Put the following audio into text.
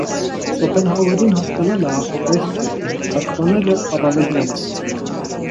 Շոպենհաուերին հասկանալը, ախր, հեշտ չէ, իսկ թարգմանելը - առավել ևս: